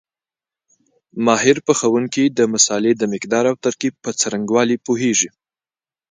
ماهر پخوونکي د مسالې په مقدار او ترکیب په څرنګوالي پوهېږي.